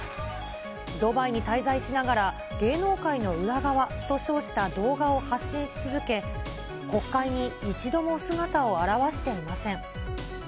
ドバイに滞在しながら、芸能界の裏側と称した動画を発信し続け、国会に一度も姿を現していません。